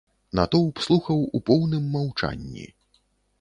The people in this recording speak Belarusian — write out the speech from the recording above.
Натоўп слухаў у поўным маўчанні.